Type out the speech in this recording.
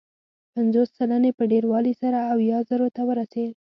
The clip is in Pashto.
پنځوس سلنې په ډېروالي سره اویا زرو ته ورسېد.